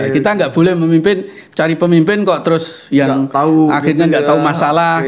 kita gak boleh memimpin cari pemimpin kok terus yang akhirnya gak tau masalah